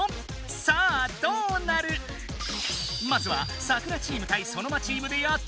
さあどうなる⁉まずはサクラチーム対ソノマチームでやってみよう！